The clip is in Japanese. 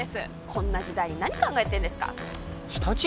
こんな時代に何考えてんですかチッ舌打ち？